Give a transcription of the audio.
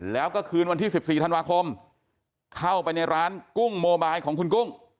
แล้วก็คืนวันที่๑๔ธันวาคมเข้าไปในร้านกุ้งโมบายของคุณกุ้ง